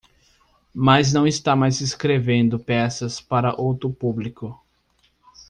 Mas não está mais escrevendo peças para outro público.